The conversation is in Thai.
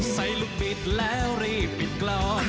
ใส่ลูกบิดแล้วรีบปิดกลอง